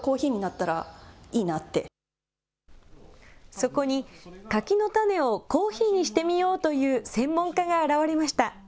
そこに柿の種をコーヒーにしてみようという専門家が現れました。